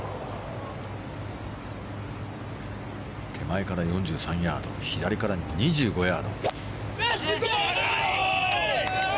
手前から４３ヤード左から２５ヤード。